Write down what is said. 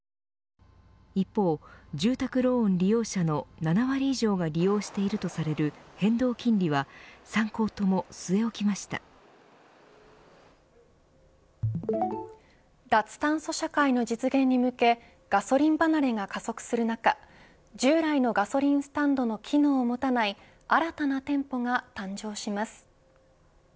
一方、住宅ローン利用者の７割以上が利用しているとされる変動金利は３行とも脱炭素社会の実現に向けガソリン離れが加速する中従来のガソリンスタンドの機能を持たない新たな店舗が誕生します。